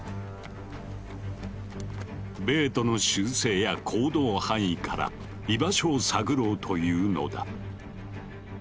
ベートの習性や行動範囲から居場所を探ろうというのだ。